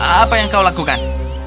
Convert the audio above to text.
apa yang kau lakukan